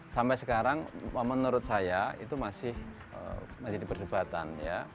sampai sekarang menurut saya itu masih diperdebatan ya